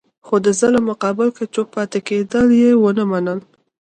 خو د ظلم مقابل کې چوپ پاتې کېدل یې ونه منل.